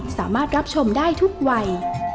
สามารถรับชมได้ทุกวัย